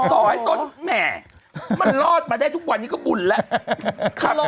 ต่อให้ต้นแหม่มันรอดมาได้ทุกวันนี้ก็บุญแล้ว